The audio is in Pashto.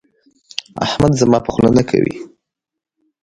احمد زما په خوله نه کوي.